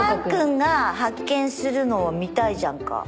観君が発見するのを見たいじゃんか。